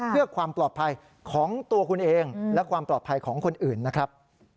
เพื่อความปลอดภัยของตัวคุณเองและความปลอดภัยของคนอื่นนะครับ